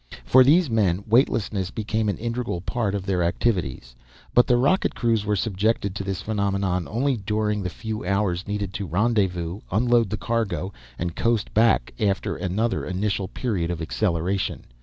For these men, weightlessness became an integral part of their activities, but the rocket crews were subjected to this phenomenon only during the few hours needed to rendezvous, unload the cargo, and coast back after another initial period of acceleration.